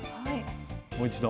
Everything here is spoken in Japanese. もう一度。